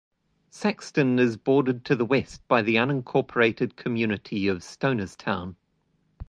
Saxton is bordered to the west by the unincorporated community of Stonerstown.